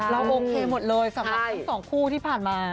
โอเคหมดเลยสำหรับทั้งสองคู่ที่ผ่านมา